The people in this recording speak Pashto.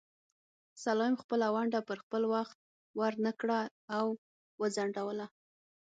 سلایم خپله ونډه پر خپل وخت ورنکړه او وځنډوله.